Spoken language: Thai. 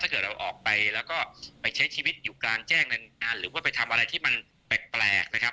เกิดเราออกไปแล้วก็ไปใช้ชีวิตอยู่กลางแจ้งนานหรือว่าไปทำอะไรที่มันแปลกนะครับ